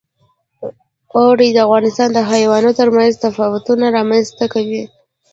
اوړي د افغانستان د ناحیو ترمنځ تفاوتونه رامنځ ته کوي.